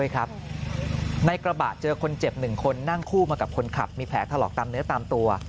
คุณขวัญคุณผู้ชมครับ